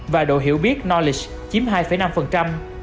và độ hiểu biết knowledge chiếm hai năm